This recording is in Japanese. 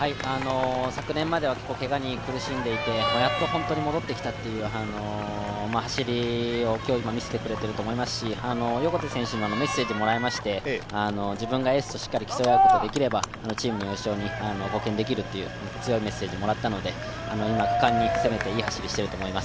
昨年まではけがに苦しんでいて、やっと本当に戻ってきたという走りを今日見せてくれていると思いますし横手選手からもメッセージもらいまして自分がエースとしっかり競い合うことができればチームの優勝に貢献できるという強いメッセージをもらったので今果敢に攻めて、いい走りを見せていると思います。